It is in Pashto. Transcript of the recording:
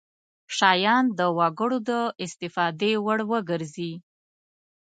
شیان د وګړو د استفادې وړ وګرځي.